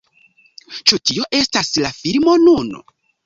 Ĉu tio estas la filmo nun?